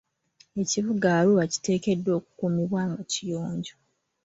Ekibuga Arua kiteekeddwa okukuumibwa nga kiyonjo.